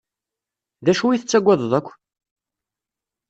D acu i tettagadeḍ akk?